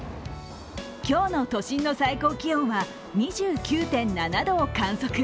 今日の都心の最高気温は２９．７度を観測。